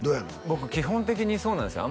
僕基本的にそうなんですよ